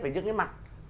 về những cái mặt